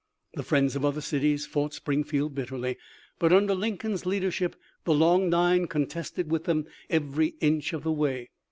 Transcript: The friends of other cities fought Springfield bitterly, but under Lincoln's leadership the Long Nine contested with them every inch of the way.